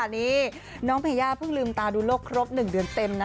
นี่น้องเพย่าเพิ่งลืมตาดูโลกครบ๑เดือนเต็มนะ